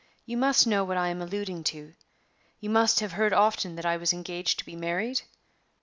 You must know what I am alluding to; you must have heard often that I was engaged to be married?"